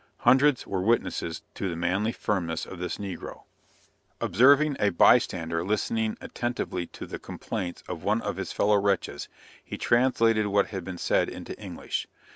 Hundreds were witnesses to the manly firmness of this negro. Observing a bystander listening attentively to the complaints of one of his fellow wretches, he translated what had been said into English.